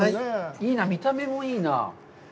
いいな、見た目もいいな。